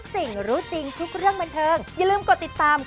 ส่งต่อให้สู้เลยค่ะ